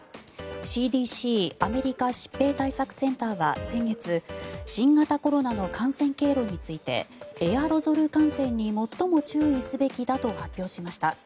ＣＤＣ・アメリカ疾病対策センターは先月新型コロナの感染経路についてエアロゾル感染に最も注意すべきだと発表しました。